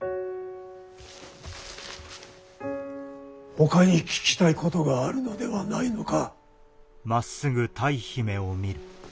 ほかに聞きたいことがあるのではないのか？